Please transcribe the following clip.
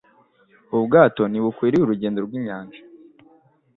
Ubu bwato ntibukwiriye urugendo rwinyanja.